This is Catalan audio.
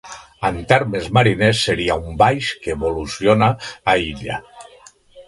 En termes mariners seria un baix que evoluciona a illa.